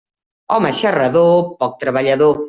Home xarrador, poc treballador.